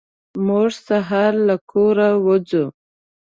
موږ سهار له کوره وځو.